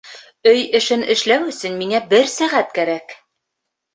Өй эшен эшләү өсөн миңә бер сәғәт кәрәк